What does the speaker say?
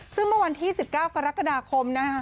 ซึ่งเมื่อวันที่๑๙กรกฎาคมนะคะ